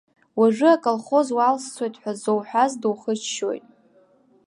Уажәы аколхоз уалсцоит ҳәа зоуҳәаз, духыччоит.